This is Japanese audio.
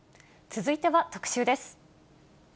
続いては特集です。